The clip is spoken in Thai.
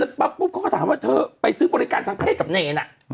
ปุ๊บเขาก็ถามว่าเธอไปซื้อบริการทางเพศกับเนร